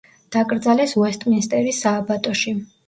დაკრძალეს უესტმინსტერის სააბატოში.